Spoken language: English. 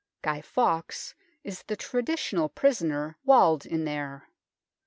Guy Fawkes is the traditional prisoner walled in there.